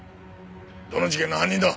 どの事件の犯人だ？